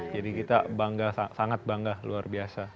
jadi kita bangga sangat bangga luar biasa